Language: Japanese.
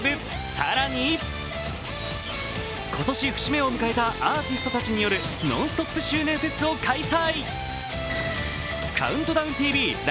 更に、今年節目を迎えたアーティストたちによるノンストップ周年フェスを開催。